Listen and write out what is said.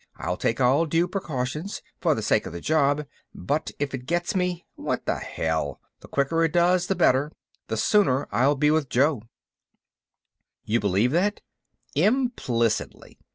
I'll take all due precautions, for the sake of the job, but if it gets me, what the hell? The quicker it does, the better—the sooner I'll be with Jo." "You believe that?" "Implicitly."